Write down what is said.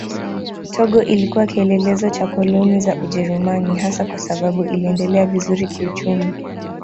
Togo ilikuwa kielelezo cha koloni za Ujerumani hasa kwa sababu iliendelea vizuri kiuchumi.